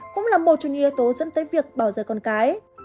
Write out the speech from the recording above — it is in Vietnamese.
cũng là một trong những yếu tố dẫn tới việc bỏ rơi con cái